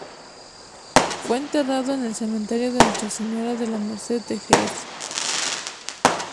Fue enterrado en el cementerio de Nuestra Señora de La Merced de Jerez.